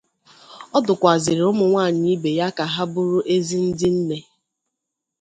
Ọ dụkwàzịrị ụmụnwaanyị ibe ya ka ha bụrụ ezi ndị nne